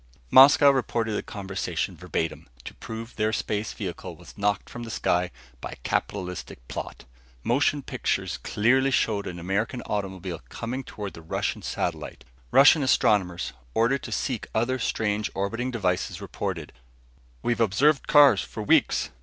Moscow reported the conversation, verbatim, to prove their space vehicle was knocked from the sky by a capitalistic plot. Motion pictures clearly showed an American automobile coming toward the Russian satellite. Russian astronomers ordered to seek other strange orbiting devices reported: "We've observed cars for weeks.